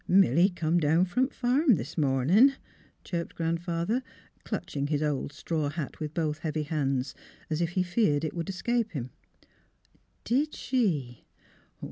" Milly come down f om th' farm this momin','' chirped Grandfather, clutching his old straw hat with both heavy hands, as if he feared it would escape him. ''Did she?